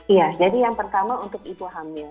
iya jadi yang pertama untuk ibu hamil